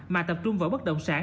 mà tập trung vào bất động sản